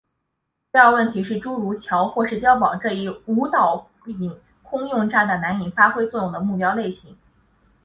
第二的问题是诸如桥或是碉堡这一类无导引空用炸弹难以发挥作用的目标类型。